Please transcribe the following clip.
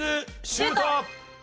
シュート！